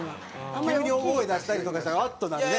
急に大声出したりとかしたらあっとなるね。